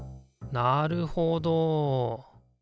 なるほど。